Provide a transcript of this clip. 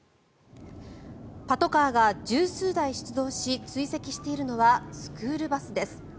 パトカーが１０数台出動し追跡しているのはスクールバスです。